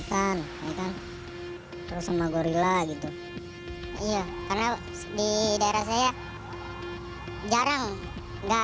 ketiga anak ini memulai petualangan mereka dengan narkoba